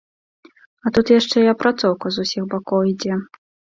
А тут яшчэ і апрацоўка з усіх бакоў ідзе.